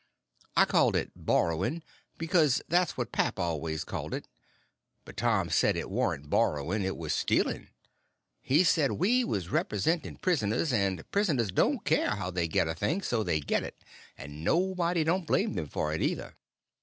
I called it borrowing, because that was what pap always called it; but Tom said it warn't borrowing, it was stealing. He said we was representing prisoners; and prisoners don't care how they get a thing so they get it, and nobody don't blame them for it, either.